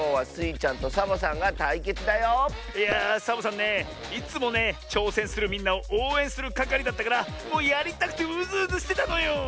いやサボさんねいつもねちょうせんするみんなをおうえんするかかりだったからもうやりたくてうずうずしてたのよ。